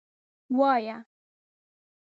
_وايه.